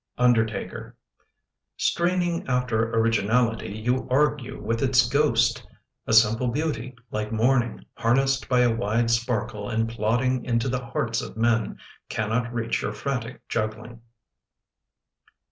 Undertaker Straining after originality You argue with its ghost! A simple beauty, like morning Harnessed by a wide sparkle And plodding into the hearts of men, Cannot reach your frantic juggling.